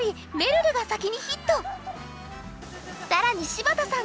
さらに柴田さん